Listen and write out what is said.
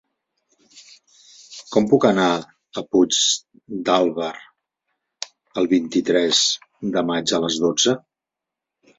Com puc anar a Puigdàlber el vint-i-tres de maig a les dotze?